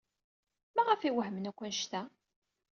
Maɣef ay wehmen akk anect-a?